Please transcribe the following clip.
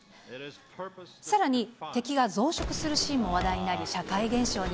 さらに敵が増殖するシーンも話題になり、社会現象に。